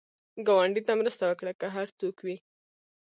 ګاونډي ته مرسته وکړه، که هر څوک وي